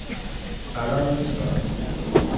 سلام دوستان